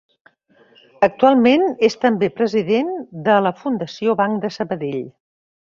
Actualment és també president de la Fundació Banc Sabadell.